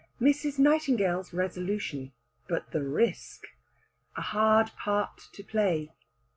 MRS. NIGHTINGALE'S RESOLUTION. BUT, THE RISK! A HARD PART TO PLAY.